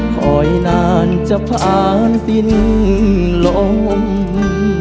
คอยนานจะผ่านดินลม